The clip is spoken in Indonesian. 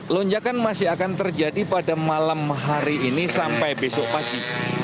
lonjakan masih akan terjadi pada malam hari ini sampai besok pagi